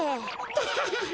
タハハハ。